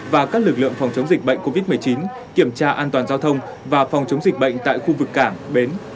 và các lực lượng phòng chống dịch bệnh covid một mươi chín kiểm tra an toàn giao thông và phòng chống dịch bệnh tại khu vực cảng bến